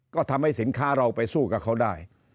ก็ทำให้สินค้าเราไปสู้กับเขาได้